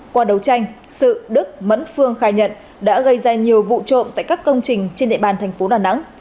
qua đấu tranh sự đức mẫn phương khai nhận đã gây ra nhiều vụ trộm tại các công trình trên địa bàn thành phố đà nẵng